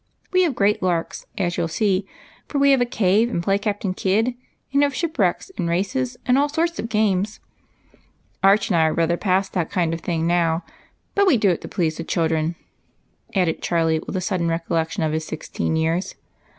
We have great larks, as you '11 see ; for we have a cave and play Captain Kidd, and have shipwrecks, and races, and" all sorts of games, j^rch and I are rather past that kind of thing now, but we do it to please the children," added Charlie, with a sudden recollection of his sixteen years.